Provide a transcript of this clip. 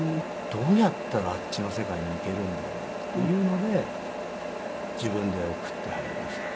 「どうやったらあっちの世界にいけるんだろう」っていうので自分で送って入りました。